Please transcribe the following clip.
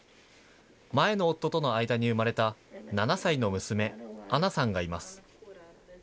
前の夫との間に生まれた７歳の娘、アナさんがいます。